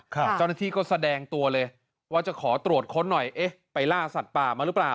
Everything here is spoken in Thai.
เจ้าหน้าที่ก็แสดงตัวเลยว่าจะขอตรวจค้นหน่อยเอ๊ะไปล่าสัตว์ป่ามาหรือเปล่า